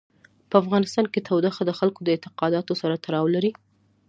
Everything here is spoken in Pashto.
په افغانستان کې تودوخه د خلکو د اعتقاداتو سره تړاو لري.